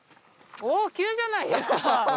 おお急じゃないですか！